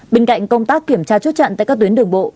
bên cạnh công tác kiểm tra chốt chặn tại các tuyến đường bộ